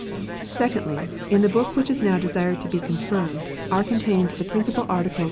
" Secondly, in the book which is now desired to be confirmed are contained 72 KNOTS UNTIED.